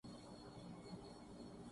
یہ پاکستانی ستارے امریکا میں کیا کررہے ہیں